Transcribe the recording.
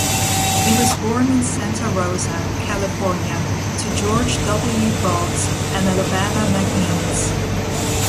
He was born in Santa Rosa, California to George W. Boggs and Alabama McMeans.